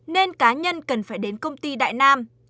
nên cá nhân cần phải đến công ty đại nam